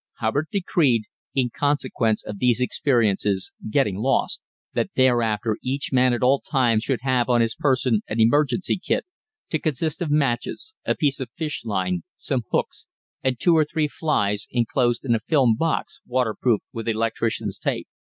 Hubbard decreed, in consequence of these experiences getting lost that thereafter each man at all times should have on his person an emergency kit, to consist of matches, a piece of fish line, some hooks and two or three flies, enclosed in a film box waterproofed with electrician's tape.